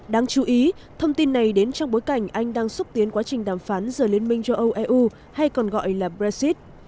đáng chú ý thông tin này đến trong bối cảnh anh đang xúc tiến quá trình đàm phán giờ liên minh châu âu eu hay còn gọi là brexit